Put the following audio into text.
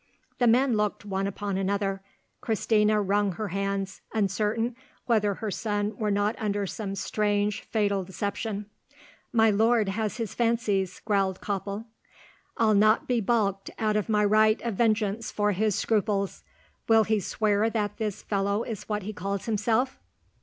The men looked one upon another. Christina wrung her hands, uncertain whether her son were not under some strange fatal deception. "My lord has his fancies," growled Koppel. "I'll not be balked of my right of vengeance for his scruples! Will he swear that this fellow is what he calls himself?"